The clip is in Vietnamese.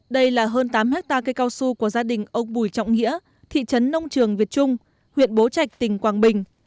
đây là hơn tám hectare cây cao su của gia đình ông bùi trọng nghĩa thị trấn nông trường việt trung huyện bố trạch tỉnh quảng bình